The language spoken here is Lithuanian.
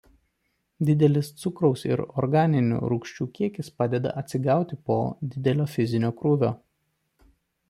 Didelis cukraus ir organinių rūgščių kiekis padeda atsigauti po didelio fizinio krūvio.